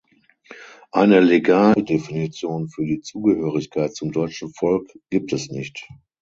Eine Legaldefinition für die Zugehörigkeit zum deutschen Volk gibt es nicht.